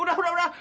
udah udah udah